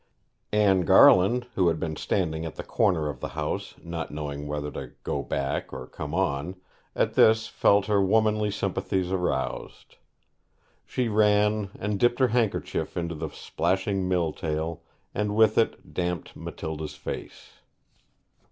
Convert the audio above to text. Anne Garland, who had been standing at the corner of the house, not knowing whether to go back or come on, at this felt her womanly sympathies aroused. She ran and dipped her handkerchief into the splashing mill tail, and with it damped Matilda's face.